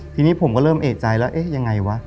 ทีนี้ผมก็เริ่มเอกใจแล้วเอ๊ะยังไงวะ